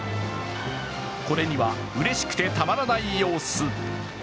これにはうれしくてたまらない様子。